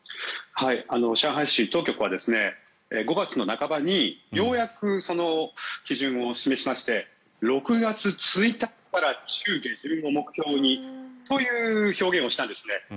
上海市当局は５月半ばにようやくその基準を示しまして６月１日から中下旬を目標にという表現をしたんですね。